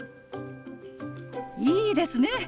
いいですね！